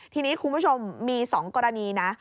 ทีนี้คุณผู้ชมมี๒กรณีนะ